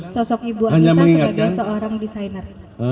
sosok ibu anissa sebagai seorang desainer